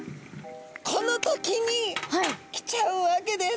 この時に来ちゃうわけです。